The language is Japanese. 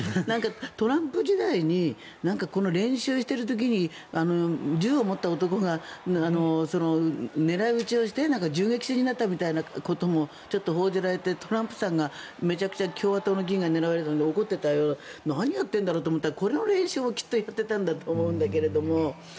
トランプ時代に練習している時に銃を持った男が狙い撃ちをして銃撃戦になったみたいなこともちょっと報じられてトランプさんがめちゃくちゃ共和党の議員が狙われたので怒っていたようで何をやっているんだろうと思ったらこの練習をやってたんだと思うんだけど。